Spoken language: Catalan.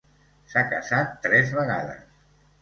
S'ha casat tres vegades.